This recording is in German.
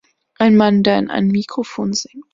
Ein Mann, der in ein Mikrofon singt.